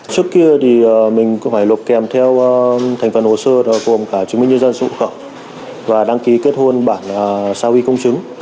trước kia thì mình có phải lộp kèm theo thành phần hồ sơ đó cùng cả chứng minh nhân dân sổ khẩu và đăng ký kết hôn bản xa huy công chứng